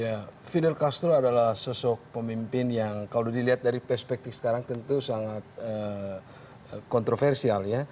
ya feedel castro adalah sosok pemimpin yang kalau dilihat dari perspektif sekarang tentu sangat kontroversial ya